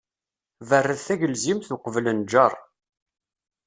Berred tagelzimt, uqbel nnjeṛ.